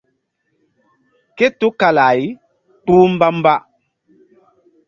Ké tukala-ay kpúh mbamba.